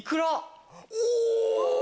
お！